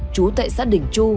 trú tại xã đình chu